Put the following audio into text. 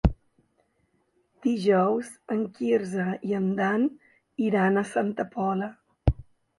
Dijous en Quirze i en Dan iran a Santa Pola.